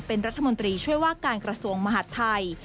เป็นรัฐมนตรีช่วยว่าการกระทรวงมหาดไทย